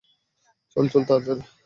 চল চল, তাড়াতাড়ি।